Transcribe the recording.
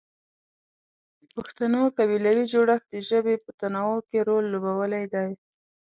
د پښتنو قبیلوي جوړښت د ژبې په تنوع کې رول لوبولی دی.